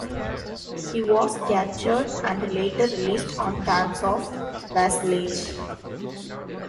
He was captured and later released on terms of vassalage.